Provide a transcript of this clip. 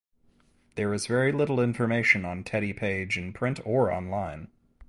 There is very little information on Teddy Page in print or online.